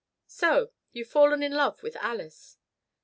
So you've fallen in love with Alice?"